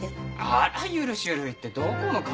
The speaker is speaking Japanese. あらゆる種類ってどこの金物屋。